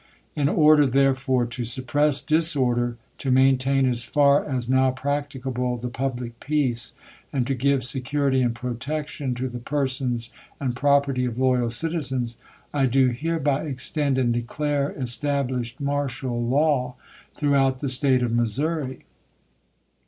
.. In order, therefore, to suppress disorder, to maintain as far as now practicable the pubhc peace, and to give security and protection to the persons and prop erty of loyal citizens, I do hereby extend and declare es tablished martial law throughout the State of Missom i.